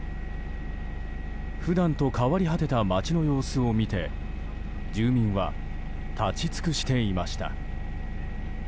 普段と変わり果てた街の様子を見て住民は立ち尽くしていました。